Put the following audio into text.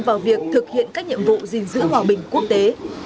vào việc thực hiện các nhiệm vụ gìn giữ hòa bình quốc tế